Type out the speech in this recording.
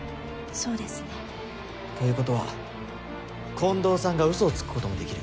そうですね。ということは近藤さんが嘘をつくこともできる。